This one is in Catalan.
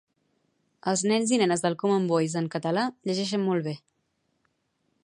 Els nens i nenes del common voice en català llegeixen molt bè